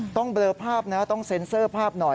เบลอภาพนะต้องเซ็นเซอร์ภาพหน่อย